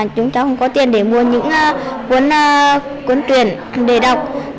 chúng cháu không có tiền để mua những cuốn truyền để đọc